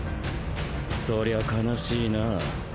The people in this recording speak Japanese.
そりゃ哀しいな。